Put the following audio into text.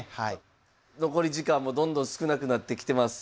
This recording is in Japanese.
残り時間もどんどん少なくなってきてます。